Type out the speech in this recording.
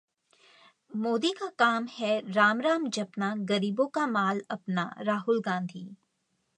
मोदी का काम है- राम-राम जपना, गरीबों का माल अपनाः राहुल गांधी